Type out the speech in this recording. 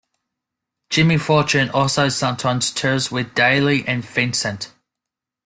Jimmy Fortune also sometimes tours with Dailey and Vincent.